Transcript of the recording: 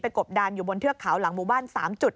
กบดานอยู่บนเทือกเขาหลังหมู่บ้าน๓จุด